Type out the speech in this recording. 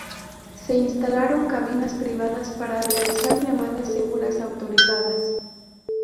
Se instalaron cabinas privadas para realizar llamadas seguras autorizadas.